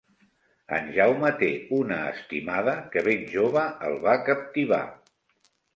En Jaume té una estimada que ben jove el va captivar.